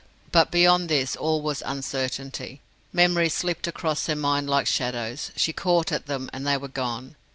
But beyond this all was uncertainty. Memories slipped across her mind like shadows she caught at them, and they were gone.